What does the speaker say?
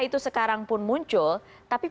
itu sekarang pun muncul tapi